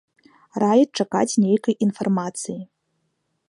Раяць чакаць нейкай інфармацыі.